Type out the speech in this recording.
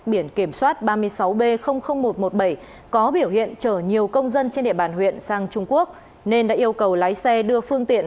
biển kiểm soát ba mươi sáu b một trăm một mươi bảy có biểu hiện chở nhiều công dân trên địa bàn huyện sang trung quốc nên đã yêu cầu lái xe đưa phương tiện